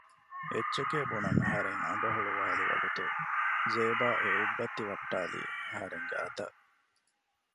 އެއްޗެކޭ ބުނަން އަހަރެން އަނގަ ހުޅުވއިލި ވަގުތު ޒޭބާ އެ އުއްބައްތި ވައްޓައިލީ އަހަރެންގެ އަތަށް